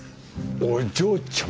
お嬢ちゃん